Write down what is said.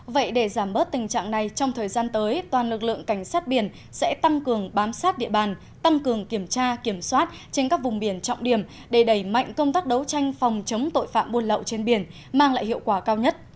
vậy để giảm bớt tình trạng này trong thời gian tới toàn lực lượng cảnh sát biển sẽ tăng cường bám sát địa bàn tăng cường kiểm tra kiểm soát trên các vùng biển trọng điểm để đẩy mạnh công tác đấu tranh phòng chống tội phạm buôn lậu trên biển mang lại hiệu quả cao nhất